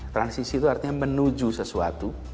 transisi itu artinya menuju sesuatu